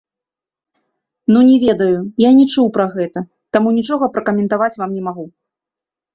Ну, не ведаю, я не чуў пра гэта, таму нічога пракаментаваць вам не магу.